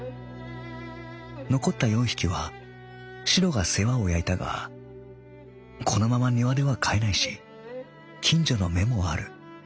残った四匹はしろが世話を焼いたがこのまま庭では飼えないし近所の目もある。